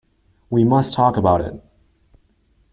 We must talk about it!